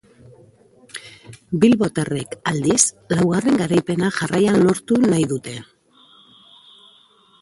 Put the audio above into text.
Bilbotarrek, aldiz, laugarren garaipena jarraian lortu lortu nahi dute.